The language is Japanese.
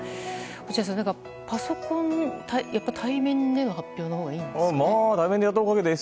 落合さん、パソコン対面での発表のほうがいいんでしょうか。